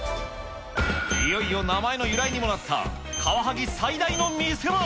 いよいよ名前の由来にもなったカワハギ最大の見せ場。